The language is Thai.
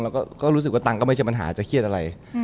รู้สึกว่าตังค์ก็ไม่ใช่ปัญหาจะเครียดอะไร